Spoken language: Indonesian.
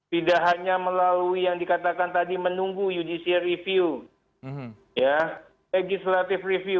tidak hanya melalui yang dikatakan tadi menunggu judicial review legislative review